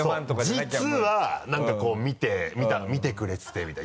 実はなんかこう見てくれててみたいな。